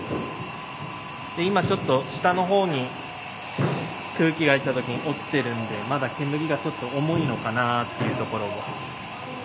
今ちょっと下の方に空気が出た時に落ちてるんでまだ煙がちょっと重いのかなぁっていうところを。